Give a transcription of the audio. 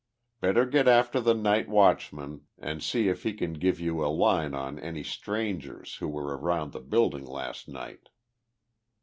Better get after the night watchman and see if he can give you a line on any strangers who were around the building last night."